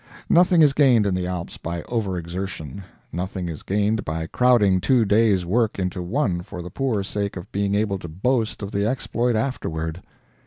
Nothing is gained in the Alps by over exertion; nothing is gained by crowding two days' work into one for the poor sake of being able to boast of the exploit afterward.